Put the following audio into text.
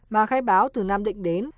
mà khai báo từ nam định đến